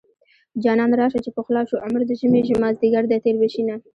جانانه راشه چې پخلا شو عمر د ژمې مازديګر دی تېر به شينه